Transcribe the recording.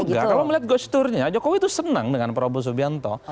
enggak juga kalau melihat ghost turnya jokowi itu senang dengan prabowo subianto